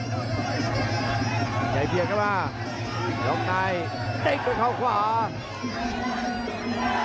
พยายามเพียงมาวางทางข้างซ้าย